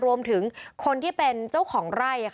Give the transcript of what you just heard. รวมถึงคนที่เป็นเจ้าของไร่